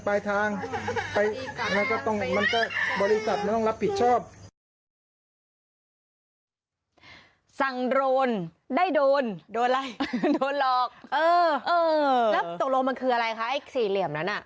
แล้วตกลงมันคืออะไรคะไอ้สี่เหลี่ยมนั้น